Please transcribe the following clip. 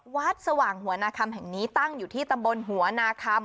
สว่างหัวนาคำแห่งนี้ตั้งอยู่ที่ตำบลหัวนาคำ